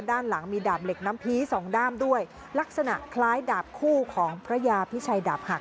ด้านหลังมีดาบเหล็กน้ำพีสองด้ามด้วยลักษณะคล้ายดาบคู่ของพระยาพิชัยดาบหัก